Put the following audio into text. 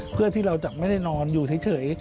เพื่อที่เราจะไม่ได้นอนอยู่เฉย